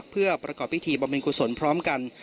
เพื่อประกอบพิธีประมวลคุณสนพร้อมกัน